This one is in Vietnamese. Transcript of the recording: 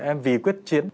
em vì quyết chiến